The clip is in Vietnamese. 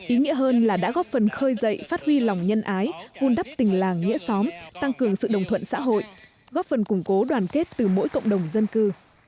ý nghĩa hơn là đã góp phần khơi dậy phát huy lòng nhân ái vun đắp tình làng nghĩa xóm tăng cường sự đồng thuận xã hội góp phần củng cố đoàn kết từ mỗi cộng đồng dân cư